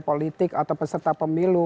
politik atau peserta pemilu